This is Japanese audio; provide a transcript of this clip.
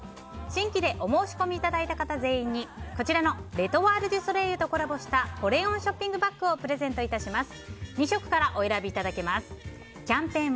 新規でお申し込みいただいた方全員に、こちらのレ・トワール・デュ・ソレイユとコラボした保冷温ショッピングバッグをプレゼント致します。